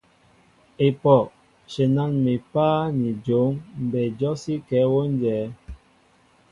Epoh ! shenan mi páá ni jon, mbɛy jɔsíŋkɛɛ wón jɛέ.